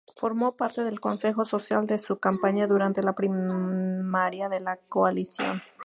Formó parte del consejo social de su campaña durante la primaria de la coalición.